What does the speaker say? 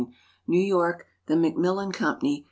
New York: The ^Facmillan (V>mpany.